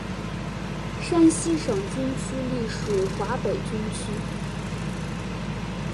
山西省军区隶属华北军区。